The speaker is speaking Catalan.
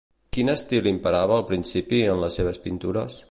Quin estil imperava al principi en les seves pintures?